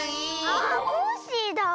あコッシーだ！